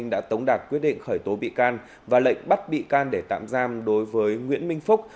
đã tống đạt quyết định khởi tố bị can và lệnh bắt bị can để tạm giam đối với nguyễn minh phúc